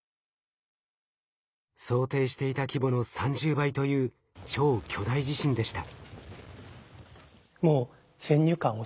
想定していた規模の３０倍という超巨大地震でした。